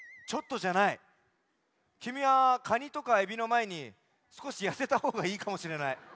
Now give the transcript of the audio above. きみはカニとかエビのまえにすこしやせたほうがいいかもしれない。